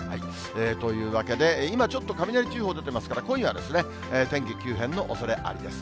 というわけで、今、ちょっと雷注意報が出ていますから、今夜、天気急変のおそれありです。